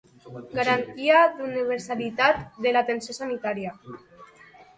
Garantia d'universalitat de l'atenció sanitària.